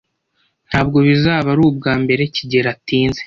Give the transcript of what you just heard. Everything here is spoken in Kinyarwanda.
Ntabwo bizaba ari ubwambere kigeli atinze.